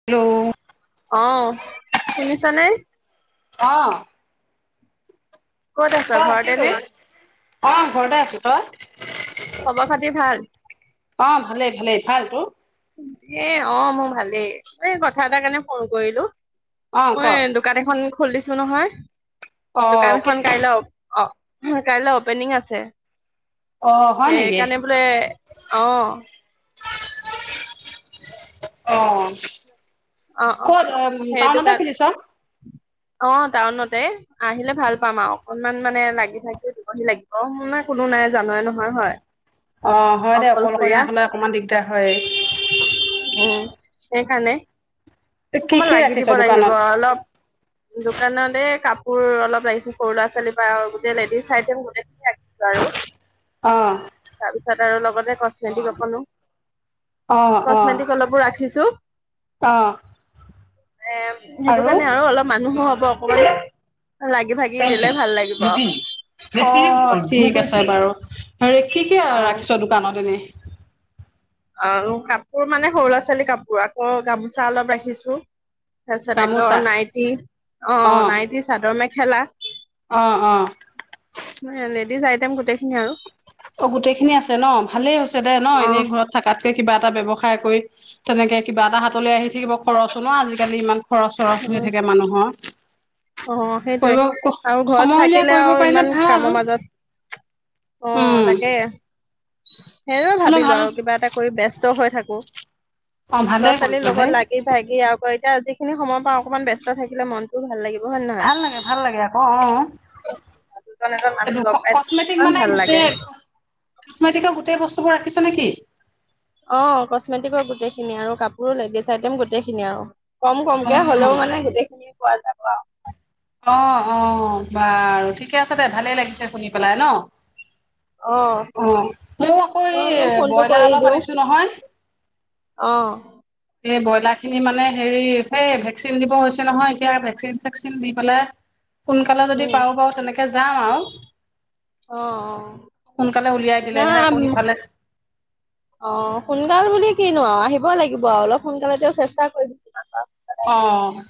Hello. অ', শুনিছানে? অ'। ক'ত আছ অই কি ঘৰতে নে? কৰি আছ? অ', ঘৰতেই আছোঁ, তই? খবৰ খাতি ভাল? অ', ভালেই ভালেই, ভাল তোৰ? এই, অ', মোৰ ভালেই, এই কথা এটা কাৰণে ফোন কৰিলো, অ ক মই দোকান এখন খুলিছো নহয়, অ দোকানখন কাইলৈ অপ অ', কাইলৈ অপেনিং আছে, অ হয় নেকি সেইকাৰণে বোলে, অ' অ' অ', অ', ক'ত উ, সেইটো টাউনতে কাৰ খুলিছ? অ' টাউনতে। আহিলে ভাল পাম আৰু, অকনমান মানে লাগি ভাগি দিব হি লাগিব‌, মোৰ মানে কোনো নাই জানয়ে নহয়, হয়। অ' হয় দে, অকলশৰীয়া হ'লে অকণমান দিগদাৰ হয়ে। উম, সেইকাৰণে। কি অকমান কি লাগি ৰাখিছ দিব লাগিব। দোকানত অলপ দোকানতে কাপোৰ অলপ লাগিছিল, সৰু ল'ৰা ছোৱালী বা গোটেই লেডিজ চাই গোটেইখিন বাৰু। অ'। তাৰপিছত আৰু লগতে কচমেটিক অকনো। অ', অ', কচমেটিক অলপো ৰাখিছো অ'। এ, হেইটো কাৰণে আৰু, অলপ মানুহো হ'ব অকমান। লাগি ভাগি দিলে ভাল লাগিব। আৰে কি কি অ', ৰাখিছ দোকানত এনেই? আহ, কাপোৰ মানে সৰু ল'ৰা ছোৱালী কাপোৰ আকৌ গামোচা অলপ ৰাখিছোঁ। তাৰপিছত আকৌ গামোচা নাইটি, অ' নাইটি, চাদৰ মেখেলা। অ', অ'। লেডিজ আইটেম গোটেইখিনি আৰু। অ' গোটেই খিনি আছে ন' ভালেই হৈছে দে ন' এনেই অ', ঘৰত থাকাতকে কিবা এটা ব্যৱসায় কৰি তেনেকে কিবা এটা হাতলে আহি থাকিব, খৰচো ন' আজিকালি ইমান খৰচ চৰচ হৈ অ'। থাকে মানুহৰ। অ সেইটোৱে কৰিব, আৰু ঘৰত সময় উলিয়াই থাকিলে কৰিব আৰু পাৰিলে ইমান ভাল। কামৰ মাজত অ' উম তাকে। সেয়ে হ'লে ভাবিলোঁ ভাল আৰু কিবা এটা কৰি ব্যস্ত হৈ থাকোঁ। অ লৰা ভালেই ছোৱালীৰ কৰিছ হেই লগত লাগি লাগি ভাগি আকৌ এতিয়া যিখিনি সময় পাওঁ অকনমান ব্যস্ত থাকিলে মন ভাল লাগিব হয় ন ভাল লাগে, ভাল লাগে আকৌ অ'। দুজন এজন মানুহ এইটো লগ লোক পাই থাকিলে কচমেটিক কিমান মানে ভাল লাগে গোটেই কচমেটিকৰ গোটেই বস্তুবোৰ ৰাখিছ নেকি? অ' কচমেটিকৰ গোটেইখিনি আৰু কাপোৰ লেডিজ আইটেম গোটেইখিনি আৰু। কম অ কমকে হ'লেও মানে গোটেইখিনি পোৱা যাব আৰু। অ', অ' বাৰু ঠিকে আছে দে, ভালেই লাগিছে শুনি পেলাই ন'। অ অ' মই আকৌ মই এই বোলো ফোনটো কৰি ব্ৰইলাৰ অলপ দিওঁ আনিছোঁ নহয়। অ'। এই ব্ৰইলাৰখিনি মানে হেৰি সেই ভেকচিন দিব হৈছে নহয়, এতিয়া ভেকচিন চেকচিন দি পেলাই সোনকালে যদি উম পাৰোঁ বাৰু তেনেকে যাম আৰু। অ', অ'। সোনকালে উলিয়াই দিলেহে আকৌ না সিফালে অ' সোনকাল বুলি কিনো আৰু, আহিবই লাগিব আৰু অলপ সোনকালে তেওঁ চেষ্টা কৰিব [unintelligible] অ'।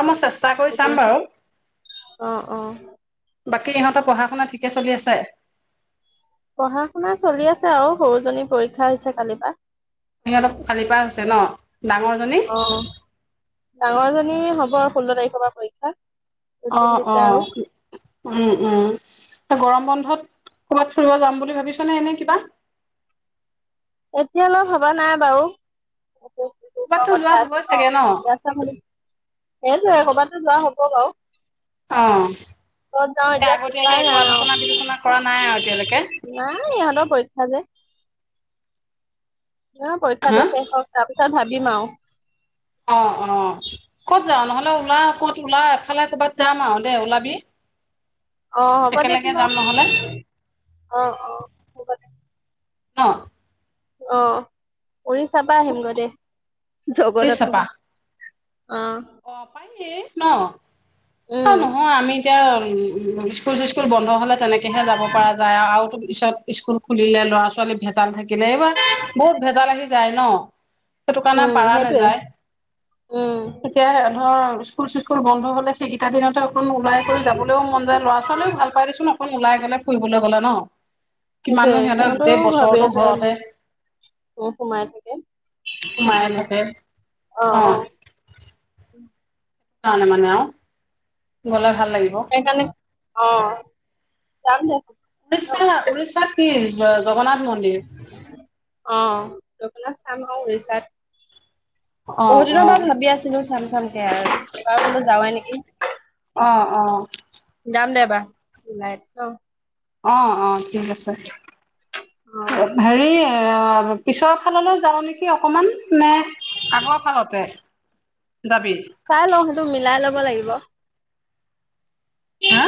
আ, মই চেষ্টা কৰি চাম বাৰু। অ অ বাকী ইহঁতৰ পঢ়া শুনা ঠিকে চলি আছে? পঢ়া শুনা চলি আছে আৰু, সৰু জনী পৰীক্ষা আহিছে কালিৰ পৰা। সিহঁতৰ কালিৰ পৰা হৈছে ন' ডাঙৰজনী? অ ডাঙৰজনী হ'ব, ষোল্ল তাৰিখৰ পৰা পৰীক্ষা। ৰুটিন অ', দিছে আৰু অ'। উম, উম, গৰম বন্ধত ক'বাত ফুৰিব যাম বুলি ভাবিছ নে এনে কিবা? এতিয়ালৈ ভবা নাই বাৰু। [unintelligible] ক'ৰবাততো যোৱা কথা হ'বই আছে ন, চাগে অ [unintelligible] সেইটোৱে কবাতটো যোৱা হব বাৰু। কত যাওঁ তাকে এতিয়া আগতীয়াকে ঠিকান একো নাই আলোচনা আৰু। বিলোচনা কৰা আৰু এতিয়ালৈকে নাই ইহঁতৰ পৰীক্ষা যে। অ', পৰীক্ষাটো হা শেষ হওক তাৰ পিছত ভাবিম আৰু। অ', অ'। ক'ত যাওঁ নহ'লে ওলা ক'ত ওলা, এফালে ক'বাত যাম আৰু দে ওলাবি। অ', হ'ব একেলগে দেচোন যাম বাৰু নহ'লে অ', অ'। হ'ব দে অ'। অ', উৰিষ্যাপা আহিম গৈ পুলিচ দে, জগন্নাথ চাপা পা। অ'। অ', পায়েই ন, উম, নহয় আমি এতিয়া স্কুল চিস্কুল বন্ধ হ'লে তেনেকৈহে যাব পৰা যায় আৰু পিছত স্কুল খুলিলে ল'ৰা ছোৱালী ভেজাল থাকিলে, এইবাৰ বহুত ভেজাল আহি যায় ন। সেইটো কাৰণে উম, পাৰা সেইটোৱে নাযায়। উম। গতিকে ধৰ স্কুল চিস্কুল বন্ধ হলে সেইকেইটা দিনতে অ', ওলাই কৰি যাবলৈও মন যায় ল'ৰা ছোৱালীও ভাল পাই দেচোন, অকন ওলাই গলে ফুৰিবলৈ গ'লে ন। সেইটোৱে কিমাননো সিহঁতে সিহঁতৰো গোটেই ভাবি বছৰতো আছে ঘৰতে [unintelligible] সোমাই থাকে সোমাই সেইকাৰণে থাকে অ', অ'। [unintelligible] মানে আৰু। গলে ভাল লাগিব। সেইকাৰণে অ', [unintelligible] উৰিষ্যা-উৰিষ্যাত কি জগনাথ মন্দিৰ? অ', জগতনাথ চাম আৰু উৰিচাত। অ বহুত দিনৰ অ পৰা ভাবি আছিলো চাম চামকে আৰু এবাৰ বোলো যাওঁৱেই নেকি। অ', অ'। যাম দে এবাৰ ওলাই, অ'। অ', অ', ঠিক আছে। অ', হেৰি পিছৰ ফাললৈ যাওঁ নেকি অকণমান নে আগৰ ফালতে যাবি? চাই লওঁ সেইটো মিলাই লব লাগিব। হা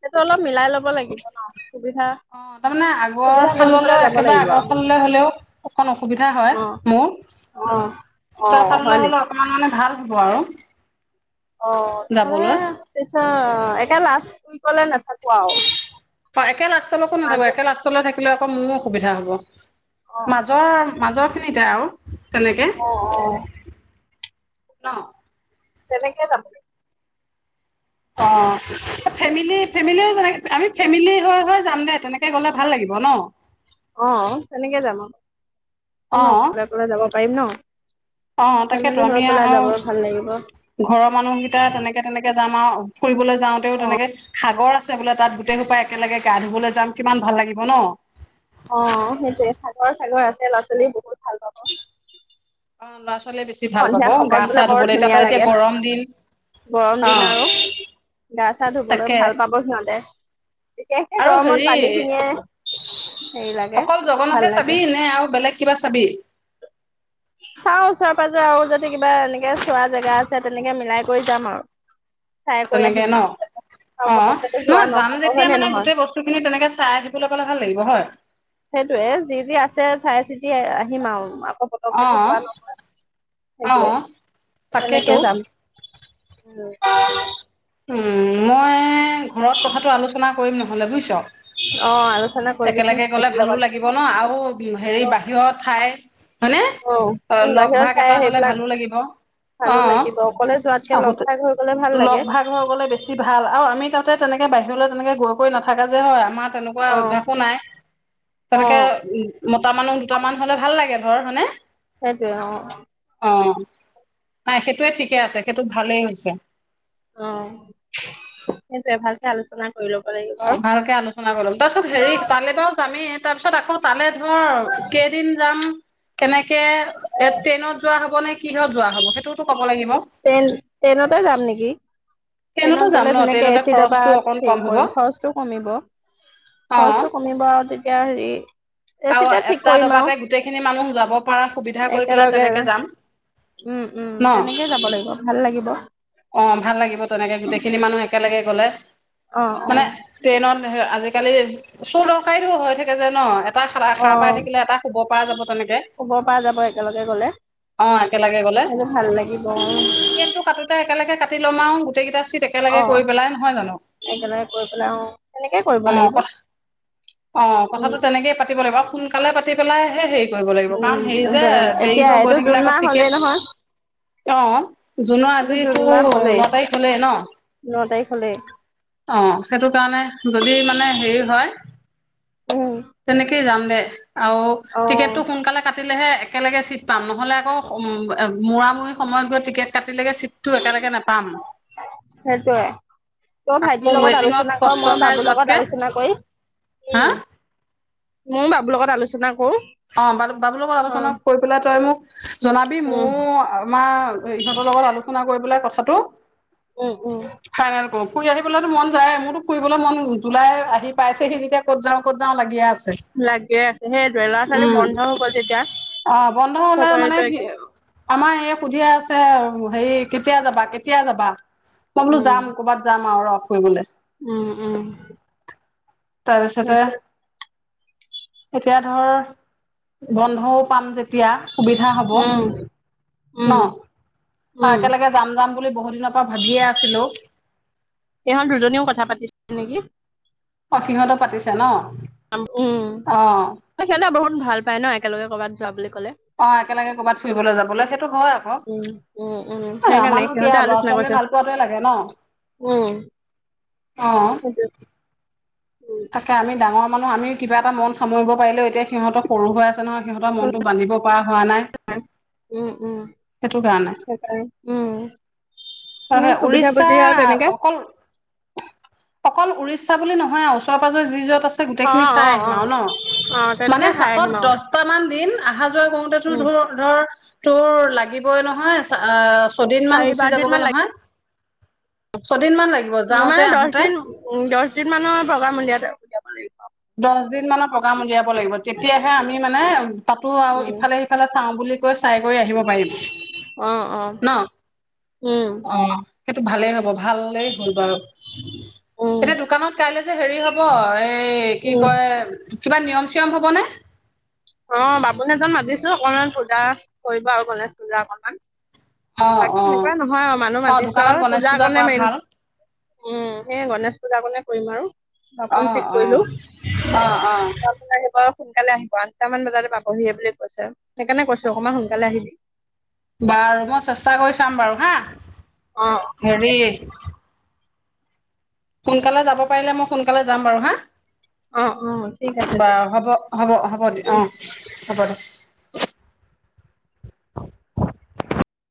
সেইটো অল মিলাই ল'ব লাগিব ন সুবিধা অ', তাৰমানে সুবিধা আগৰ বুজি পেলাই ফাললেও যাব একেবাৰে লাগিব আগৰ আৰু ফাললৈ হ'লেও অকণ অসুবিধা হয় অ'। মোৰ, অ', পিছৰ অ', হয় ফাললৈ হলেও নেকি? অকমান মানে ভাল হ'ব আৰু। অ', তে যাবলৈ পিছ একে লাষ্ট উইকলে নাথাক অ', একে লাষ্টলৈকো নাথাকো। মাজত একে লাষ্ট থাকিলে আকৌ মোৰ অসুবিধা হব। অ', মাজৰ-মাজৰ খিনিতে আৰু তেনেকে। অ', অ', ন? তেনেকে যাম অ', ফেমিলি ফেমিলিও তেনে, আমি ফেমিলি হৈ হৈ যাম দে তেনেকে গ'লে ভাল লাগিব ন। অ', তেনেকে যাম অ', অ কতনো অকলে অকলে যাব পাৰিম ন। অ তাকেতো ফেমিলি আমি ঘৰত গ'লে আৰু যাব ভাল লাগিব। ঘৰৰ মানুহকেইটা তেনেকে তেনেকে যাম আও ফুৰিবলৈ যাওঁতেও অ', তেনেকে সাগৰ আছে বোলে তাত গোটেই সোপাই একেলগে গা ধুবলে যাম কিমান ভাল লাগিব ন। অ সেইটোয়ে সাগৰ চাগৰ আছে ল'ৰা-ছোৱালী বহুত ভাল পাব। ল'ৰা-ছোৱালীয়ে বেছি ভাল পাব সন্ধিয়া গা সময়ত বোলে চা বৰ ধুবলে এতিয়া ধুনীয়া ক এতিয়া লাগে গৰম দিন। গৰম অ দিন আৰু গা চা ধুবলৈ তাকে ভাল পাব সিহঁতে। বিশেষকে আৰু গৰমত হেৰি পানী খিনিয়ে হেৰি লাগে অকল ভাল জগন্নাথে চাবি নে আৰু বেলেগ কিবা চাবি? চাও চব খুৱাই যে আও যদি কিবা এনেকে চোৱা জেগা আছে তেনেকে মিলাই কৰি যাম আৰ। তেনেকে ন আৰু অ পতককেতো যোৱা নহ যাম নহ'ব যেতিয়া হয় নে মানে নহয় গোটেই বস্ত স্তুখিনি তেনেকে চাই আহিব পালে ভাল লাগিব হয়। সেইটোৱে যি যি আছে চাই চিতি আহিম আও আকৌ অ। অ সেটোৱে তাকেইতো তেনেকে যাম। উম, মই ঘৰত কথাটো আলোচনা কৰিম নহলে বুজিছ। অ আলোচনা কৰিবিচোন একেলগে গলে ভাইটিৰ ভালো লগত লাগ গিব ন আৰু হেৰি বাহিৰৰ ঠাই হয়নে। অ উম লগ বাহিৰত ভাগ চাই এটা হলে সেইবিলাক ভালো লাগিব। অ ভালো লাগিব অকলে যোৱাকে লগ আহোতে ভাগ হৈ গলে ভাল লগ লাগে ভাগ হৈ গ'লে বেছি ভাল আৰু আমি তাতে তেনেকে বাহিৰলৈ তেনেকে গৈ কৰি নাথাকা যে হয় আমা তেনেকুৱা অ অভ্যাস অ নাই তেনেকে উ মতা মানুহ দুটামান হ'লে ভাল লাগে ধৰ হয়নে? সেটোৱে অ। অ নাই সেইটোৱে ঠিকে আছে, সেটোত ভালে হৈছে। অ সেটোয়ে ভাল। টোৱে আলোচনা কৰি ল'ব লাগিব। আৰু অ ভালকে আলোচনা কৰি লম, তাছত হেৰি তালে ত যামে। তাৰ পিছত আকৌ তালে ধৰ কেদিন যাম। কেনেকে এ ট্ৰেইনত যোৱা হ'ব নে কিহত যোৱা হ'ব সেইটোতো ক'ব লাগিব। টেল ট্ৰেইনতে যাম নেকি। ট্ৰেইনতে ট্ৰেইনত যাম গ'লে ন তেনেকে ট্ৰেইনতে এচি খৰচটো দপাত অকন চে কম হব কৰিম খৰচটো কমিব। অ খৰচটো কম মিব বাও তেতিয়া হেৰি আৰু এচিতে ঠিক এটা কৰিম আৰু ডবাতে গোটেইখিনি মানুহ যাব পৰা সুবিধা কৰি পেলাই একেলগে তেনেকে যাম। উম উম ন তেনেকেই যাব লাগিব ভাল লাগিব। অ ভাল লাগিব তেনেকে গোটেইখিনি মানুহ একেলগে গ'লে অ অ মানে ট্ৰেইনত হে আজিকালি চৌ ডকাইত হৈ থাকে যে ন। এটা শাৰা অ শাৰ পাই থাকিলে এটা শুবৰ পৰা যাব তেনেকে। শুব পৰা যাব একেলগে গলে অ একেলগে গ'লে সেইটো ভাল লাগিব অ অ', টিকেটটো কাটোতে একেলগে কাটি ল'ম আও। গোটেইকেইটা চিট একেলগে কৰি পেলাই নহয় জানো। একেলগে কৰি পেলাই অ তেনেকেই কৰিব অ লাগিব। কথা অ উম কথাটো তেনেকেই পাতিব লাগিব সোনকালে পাতি পেলাইহে সেই কৰিব লাগিব কাৰণ উম হেৰি যে দেৰি এতিয়া হয় এইটো গৈ জুন থাকিলে আক মাহ হলেই টিকেট নহয় অ জুনৰ এইটো জুন আজিতো মাহ হলেই ন তাৰিখ হ'লেই ন। ন তাৰিখ হ'লেই। অঁ সেইটো কাৰণে যদি মানে হেৰি হয়- উমঁ! তেনেকেই যাম দে আও টিকেটটো সোনকালে কাটিলেহে - একেলগে ছিট পাম নহ'লে আকৌ মূৰামূৰি সময়ত গৈ টিকেট কাটিলৈকে ছিট- টো একেলগে নেপাম। সেইটোৱে। তই আকৌ ভাইটিৰ লগত ৱেটিঙত আলোচনা কৰ কষ্ট মই খাই বাবুৰ লগত যোৱাতকে আলোচনা কৰি হা উমঁ। ময়ো বাবুৰ লগত আলোচনা কৰোঁ। অঁ বাব বাবুৰ লগত আলোচনা কৰি পেলাই তই মোক জনাবি উম মইও আমাৰ- ইহঁতৰ লগত আলোচনা কৰি পেলাই কথাটো- উমঁ উমঁ! ফাইনেল কৰো ফুৰি আহিবলৈতো মন যায় মোৰতো ফুৰিবলৈ মন জুলাই আহি পাইছেহি যেতিয়া- ক'ত যাওঁ ক'ত যাওঁ লাগিয়ে আছে। লাগিয়ে আছে সেইটোৱে ল'ৰা ছোৱালীৰ উম বন্ধও হ'ব যেতিয়া অ বন্ধ হলে মানে চবৰেতো কি একেই। আমাৰ এই সুধিয়ে আছে হেৰি কেতিয়া যাবা কেতিয়া যাবা। মই বোলো উম যাম কৰ'বাত যাম আৰু ৰ ফুৰিবলে। উমঁ উমঁ! তাৰপিছতে। এতিয়া ধৰ বন্ধও পাম যেতিয়া। সুবিধা হ'ব উম ন আৰু উম একেলগে- যাম যাম বুলি বহুত দিনৰ পৰা ভাবিয়ে আছিলো- ইহত দুজনীও কথা পাতিছিল নেকি? অঁ সিহতো পাতিছে ন। আম উমঁ অ সিহঁতে বহুত ভাল পায় ন একেলগে কৰ'বাত যোৱা বুলি ক'লে। অঁ একেলগে কৰবাত ফুৰিবলৈ যাবলৈ সেইটো হয় উম উম উম আকৌ সেইকাৰণে আমাৰনো কি আ ল'ৰা ছোৱালীয়ে ভাল। পোৱাটোৱে লাগে ন। উমঁ। অঁ। উম তাকে আমি ডাঙৰ মানুহ আমি কিবা এটা মন সামৰিব পাৰিলেও এতিয়া সিহঁতে সৰু হৈ আছে নহয়। সিহঁতৰ মনটো বান্ধিব পৰা হোৱা নাই। উমঁ উমঁ সেইটো সেইটোৱে উমঁ। হয়ঁ হয়ঁ উৰিষ্যা অকল- অকল উৰিষ্যা বুলি নহয় আৰু ওচৰে পাজৰে যি যত আছে অ গোটেইখিনি চাই অ অ আহিম আৰু ন। অ মানে তেনেকে চাই হাতত আহিম আৰু দহটা মান দিন আহা যোৱা কৰোতেতো উম ধৰক- ধৰ তোৰ লাগিবই নহয় চা আ- ছদিনমান চাৰি গুচি পাঁচ দিন যাবগৈ মান নহয় ছদিনমান লাগিব যাওঁতে আহোতে। উমঁ দহ দিন মানৰ প্ৰগ্ৰাম উলিয়াই দে যাব লাগিব। দহ দিন মানৰ প্ৰগ্ৰাম উলিয়াব লাগিব তেতিয়াহে আমি মানে তাতো আৰু উম ইফালে সিফালে চাওঁ বুলি- গৈ চাই কৰি আহিব পাৰিম অ অ ন উম অঁ। সেইটো ভালে হ'ব। ভালেই হ'ল বাৰু উম এতিয়া দোকানত কাইলে যে হেৰি হ'ব এই- উম এ কিবা নিয়ম চিয়ম হবনে? অঁ বাবুনে এজন মাতিছো অকনমান পূজা কৰিব আৰু গণেশ পূজা অকনমান। অ অ বাকী এনেকুৱা নহয় আৰু মানুহ অ মাতিছোঁ দোকানত আও গণেশ পূজা পূজাকণে কৰা মেইন। ভাল উমঁ সেয়ে গণেশ পূজা কনে কৰিম আৰু অ বাপোন ঠিক অ কৰিলোঁ। অ অ আহিব সোনকালে আহিব আঠটা মান বজাতে পাবহি বুলি কৈছে, সেইকাৰণে কৈছো অ অকণমান সোনকালে আহিবি। বাৰু মই চেষ্টা কৰি চাম বাৰু হা। অ হেৰি সোনকালে যাব পাৰিলে মই সোনকালে যাম বাৰু হা? অ অ ঠিক আছে দে বাৰু হ'ব-হ'ব-হ'ব দিয়া উম অ হ'ব দে।